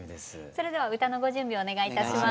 それでは歌のご準備お願いいたします。